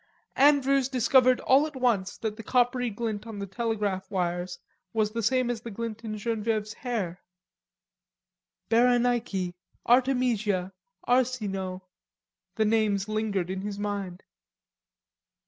Andrews discovered all at once that the coppery glint on the telegraph wires was the same as the glint in Genevieve's hair. "Berenike, Artemisia, Arsinoe," the names lingered in his mind.